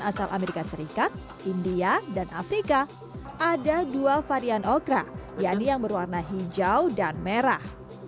asal amerika serikat india dan afrika ada dua varian okra yaitu yang berwarna hijau dan merah